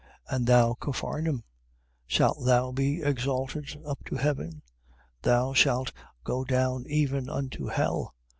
11:23. And thou Capharnaum, shalt thou be exalted up to heaven? thou shalt go down even unto hell.